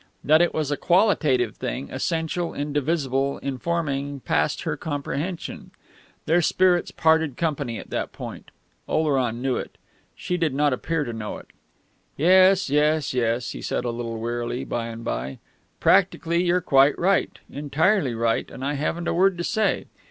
That it was a qualitative thing, essential, indivisible, informing, passed her comprehension. Their spirits parted company at that point. Oleron knew it. She did not appear to know it. "Yes, yes, yes," he said a little wearily, by and by, "practically you're quite right, entirely right, and I haven't a word to say.